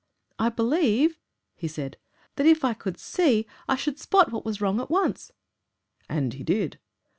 'I believe,' he said, 'if I could SEE I should spot what was wrong at once.' And he did.